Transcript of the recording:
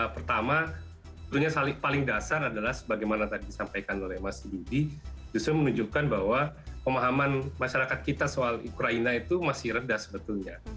pertama tentunya paling dasar adalah sebagaimana tadi disampaikan oleh mas yudi justru menunjukkan bahwa pemahaman masyarakat kita soal ukraina itu masih rendah sebetulnya